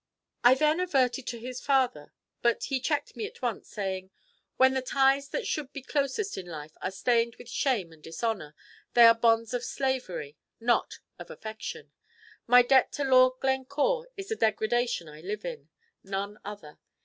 "I then adverted to his father; but he checked me at once, saying, 'When the ties that should be closest in life are stained with shame and dishonor, they are bonds of slavery, not of affection. My debt to Lord Glencore is the degradation I live in, none other.